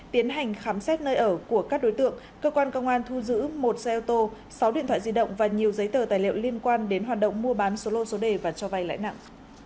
tiến hành khám xét nơi ở của các đối tượng cơ quan công an thu giữ một xe ô tô sáu điện thoại di động và nhiều giấy tờ tài liệu liên quan đến hoạt động mua bán số lô số đề và cho vay lãi nặng